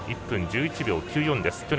１分１１秒９４です。